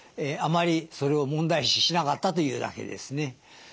あまりそれを問題視しなかったというだけですね。